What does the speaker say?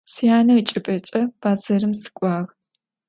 Syane ıçç'ıp'eç'e bedzerım sık'uağ.